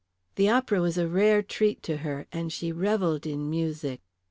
The opera was a rare treat to her, and she revelled in music.